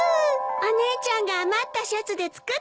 お姉ちゃんが余ったシャツで作ってくれたの。